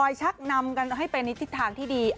ชักนำกันให้ไปในทิศทางที่ดี